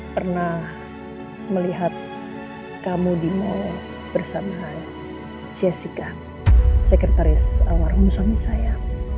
pernah melihat kamu di mall bersama jessica sekretaris almarhum suami saya